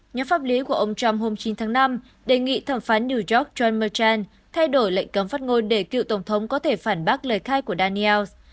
nhóm pháp lý của ông trump hôm chín tháng năm đề nghị thẩm phán new york john merchan thay đổi lệnh cấm phát ngôn để cựu tổng thống có thể phản bác lời khai của daniels